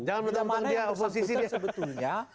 di mana yang bersangkutan sebetulnya